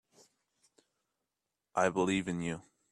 I believe in you.